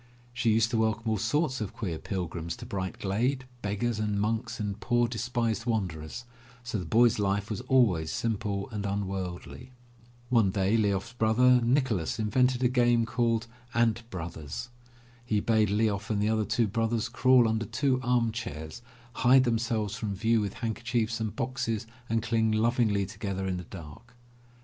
She used to welcome all sorts of queer pil grims to Bright Glade, beggars and monks and poor despised wanderers, so the boy*s life was always simple and unworldly. One day Lyof 's brother, Nich olas, invented a game called *'ant brothers.'' He bade Lyof and the other two brothers crawl imder two armchairs, hide themselves from view with handker chiefs and boxes, and cling lovingly together in the dark.